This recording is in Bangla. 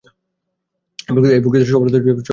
এই বক্তৃতার সফলতা ছিল সবচেয়ে বেশি।